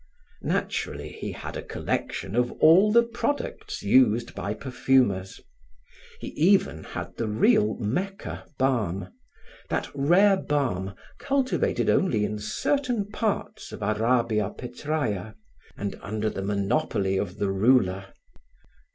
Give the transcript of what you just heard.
Naturally he had a collection of all the products used by perfumers. He even had the real Mecca balm, that rare balm cultivated only in certain parts of Arabia Petraea and under the monopoly of the ruler.